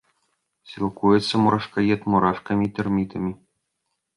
Сілкуецца мурашкаед мурашкамі і тэрмітамі.